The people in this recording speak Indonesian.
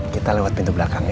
kita lewat pintu belakang